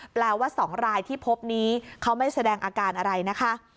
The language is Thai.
แปลว่า๒รายที่พบนี้เขาไม่แสดงอาการอะไรนะคะ